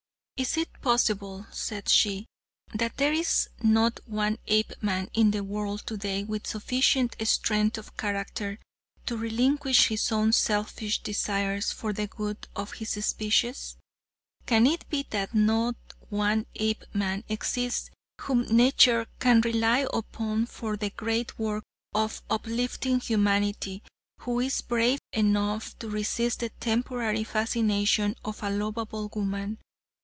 "Is it possible," said she, "that there is not one Apeman in the world today with sufficient strength of character to relinquish his own selfish desires for the good of his species? Can it be that not one Apeman exists whom nature can rely upon for the great work of uplifting humanity, who is brave enough to resist the temporary fascination of a lovable woman?